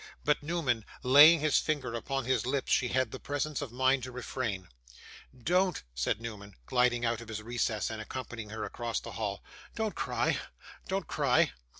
But, Newman laying his finger upon his lips, she had the presence of mind to refrain. 'Don't,' said Newman, gliding out of his recess, and accompanying her across the hall. 'Don't cry, don't cry.